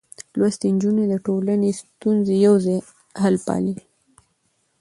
لوستې نجونې د ټولنې ستونزې يوځای حل پالي.